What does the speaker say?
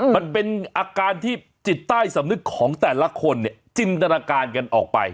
มันเป็นอาการที่จิตใต้สำนึกของแต่ละคนเนี่ยจินตนาการกันออกไป